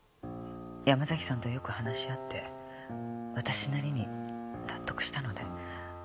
山崎さんとよく話し合って私なりに納得したので。